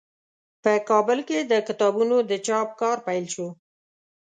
په کابل کې د کتابونو د چاپ کار پیل شو.